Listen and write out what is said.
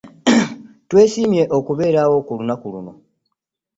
Twesiimye okubeerawo ku lunaku luno.